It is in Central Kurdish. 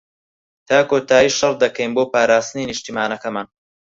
تا کۆتایی شەڕ دەکەین بۆ پاراستنی نیشتمانەکەمان.